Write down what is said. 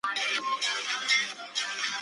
Reside en todos tipos de lugares con hierba.